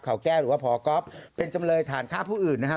เขาแก้วหรือว่าพอก๊อฟเป็นจำเลยฐานฆ่าผู้อื่นนะฮะ